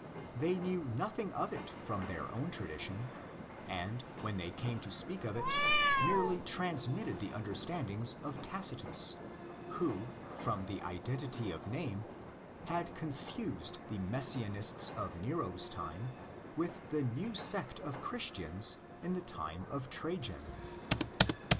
They knew nothing of it from their own tradition ; and, when they came to speak of it, merely transmitted the misunderstanding of Tacitus, who, from the identity of name, had confused the Mes sianists of Nero's time with the new sect of Christians in the time of Trajan.